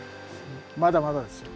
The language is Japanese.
まだまだですよ。